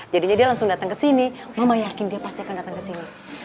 jadinya dia langsung dateng kesini mama yakin dia pasti akan dateng kesini